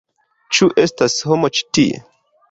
Ĉu estas homo ĉi tie?